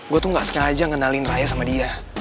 gue tuh gak sengaja ngenalin raya sama dia